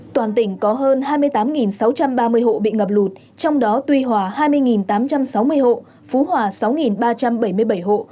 toàn tỉnh có hơn hai mươi tám sáu trăm ba mươi hộ bị ngập lụt trong đó tuy hòa hai mươi tám trăm sáu mươi hộ phú hòa sáu ba trăm bảy mươi bảy hộ